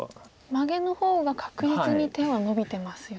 マゲの方が確実に手はのびてますよね。